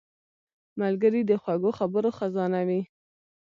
ملګری د خوږو خبرو خزانه وي